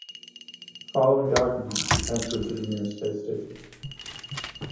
Following docking, she transferred to the Mir Space Station.